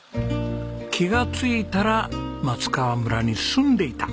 気がついたら松川村に住んでいた。